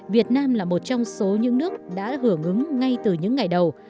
việt nam là một trong số những nước đã hưởng ứng ngay từ những ngày đầu